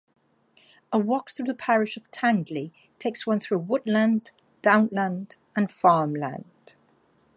A walk through the parish of Tangley takes one through woodland, downland and farmland.